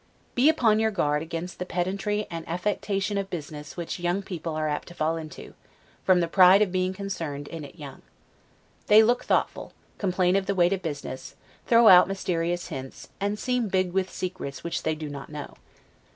Be upon your guard against the pedantry and affectation of business which young people are apt to fall into, from the pride of being concerned in it young. They look thoughtful, complain of the weight of business, throw out mysterious hints, and seem big with secrets which they do not know.